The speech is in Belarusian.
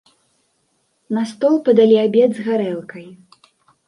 На стол падалі абед з гарэлкай.